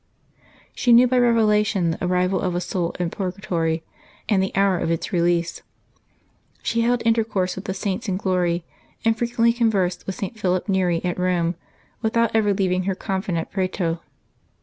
She knew by revelation the arrival of a soul in purgatory, and the hour of its release. She held intercourse with the Saints in glory, and frequently conversed with St. Philip I^eri at Rome without ever leaving her convent at Prato.